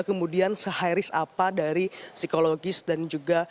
kemudian se high risk apa dari psikologis dan juga